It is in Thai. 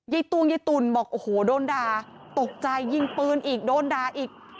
ตวงยายตุ่นบอกโอ้โหโดนด่าตกใจยิงปืนอีกโดนด่าอีก